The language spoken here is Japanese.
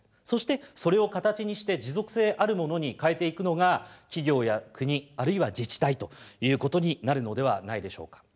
そしてそれを形にして持続性あるものに変えていくのが企業や国あるいは自治体ということになるのではないでしょうか。